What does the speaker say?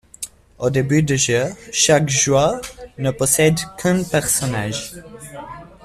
Au début du jeu, chaque joueur ne possède qu'un personnage.